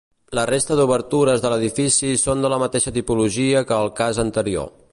La resta d'obertures de l'edifici són de la mateixa tipologia que el cas anterior.